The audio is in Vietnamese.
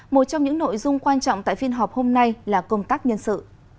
một trong những nội dung quan trọng tại phiên họp hôm nay là công tác nhân sự